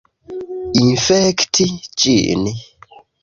Infekti ĝin!